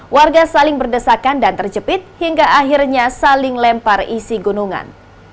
warga saling berdesakan dan terjepit hingga akhirnya saling lempar isi gunungan